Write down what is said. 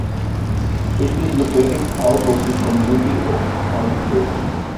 It is located south of the community of Pythio.